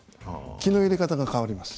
気の入れ方が変わります。